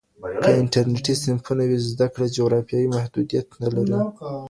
که انټرنېټي صنفونه وي، زده کړه جغرافیایي محدودیت نه لري.